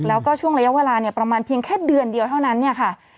แล้วก็ช่วงระยะเวลาเนี่ยประมาณเพียงแค่เดือนเดียวเท่านั้นเนี่ยค่ะ